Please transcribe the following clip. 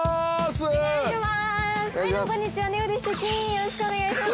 ◆よろしくお願いします。